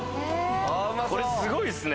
これすごいですね。